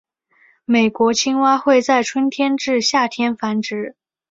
美国青蛙会在春天至夏天繁殖。